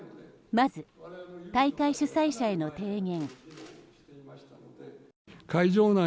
まず、大会主催者への提言。